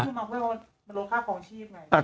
มันลดค่าคลองชีพไง